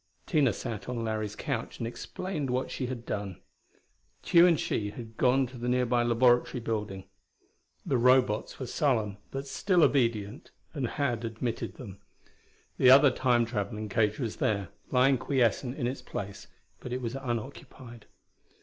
Tina sat on Larry's couch and explained what she had done. Tugh and she had gone to the nearby laboratory building. The Robots were sullen, but still obedient, and had admitted them. The other Time traveling cage was there, lying quiescent in its place, but it was unoccupied.